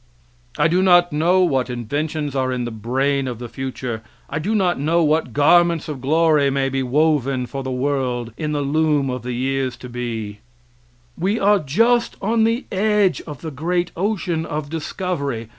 I do not know what inventions are in the brain of the future; I do not know what garments of glory may be woven for the world in the loom of the years to be; we are just on the edge of the great ocean of discovery.